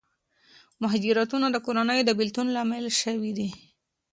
مهاجرتونه د کورنیو د بېلتون لامل شوي دي.